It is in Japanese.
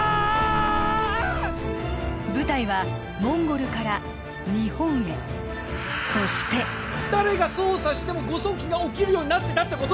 舞台はモンゴルから日本へそして誰が操作しても誤送金が起きるようになってたってこと？